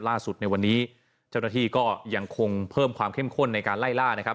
ล่าสุดในวันนี้เจ้าหน้าที่ก็ยังคงเพิ่มความเข้มข้นในการไล่ล่านะครับ